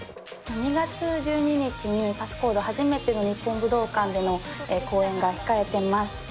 ２月１２日に、ＰａｓｓＣｏｄｅ初めての日本武道館での公演が控えてます。